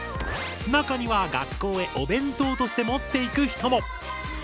中には学校へお弁当として持っていく人も。